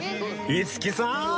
五木さーん！